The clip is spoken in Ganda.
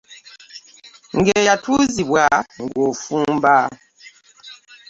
Nga eyatuzibwa nga ofumba .